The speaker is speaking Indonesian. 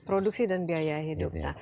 produksi dan biaya hidup